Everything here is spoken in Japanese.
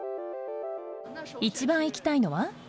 一番行きたいのは？